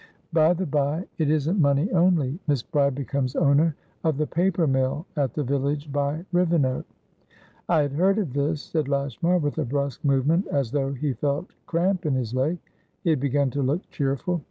By the bye, it isn't money only; Miss Bride becomes owner of the paper mill at the village by Rivenoak." "I had heard of this," said Lashmar, with a brusque movement as though he felt cramp in his leg. He had begun to look cheerful.